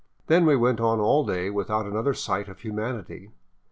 Then we went on all day without another sight of humanity.